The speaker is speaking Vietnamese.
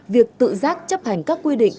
việc tự giác chấp hành các quy định